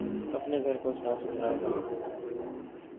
اپنے گھر کو صاف ستھرا رکھا کرو